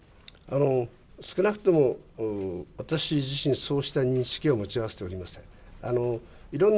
少なくとも私自身、そうした認識は持ち合わせておりません。